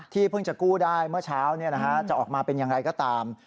เพิ่งจะกู้ได้เมื่อเช้าจะออกมาเป็นอย่างไรก็ตาม